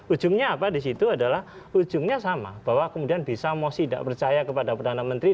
ujungnya apa di situ adalah ujungnya sama bahwa kemudian bisa mosi tidak percaya kepada perdana menteri